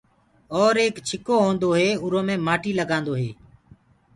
وري ايڪ ڇڪو هوندو هي اُرو مي مآٽي لگآندو هي۔